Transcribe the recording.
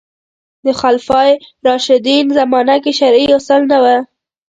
د خلفای راشدین زمانه کې شرعي اصل نه و